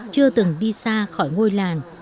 chưa từng đi xa khỏi ngôi làng